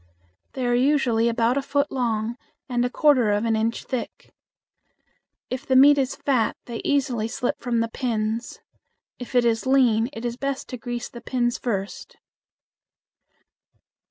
They are usually about a foot long and a quarter of an inch thick. If the meat is fat they easily slip from the pins; if it is lean, it is best to grease the pins first.